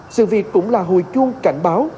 sự việc cũng là hồi chuông cảnh báo